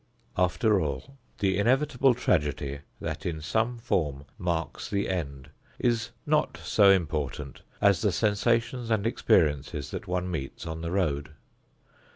After all, the inevitable tragedy that in some form marks the end is not so important as the sensations and experiences that one meets on the road.